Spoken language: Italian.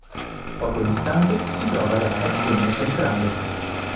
Poco distante si trova la stazione centrale.